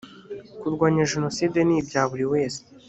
kurwanya jenoside nibyaburiwese.